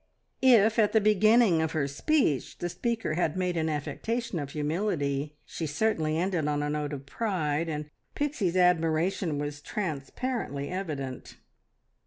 If at the beginning of her speech the speaker had made an affectation of humility, she certainly ended on a note of pride, and Pixie's admiration was transparently evident.